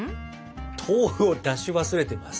豆腐を出し忘れてます。